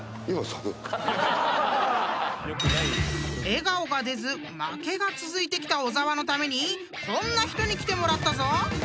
［笑顔が出ず負けが続いてきた小沢のためにこんな人に来てもらったぞ！］